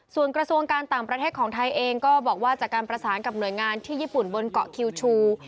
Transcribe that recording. ส่วนกระทรวงการต่างประเทศของไทยเองก็บอกว่าจากการประสานกับหน่วยงานที่ญี่ปุ่นบนเกาะคิวชู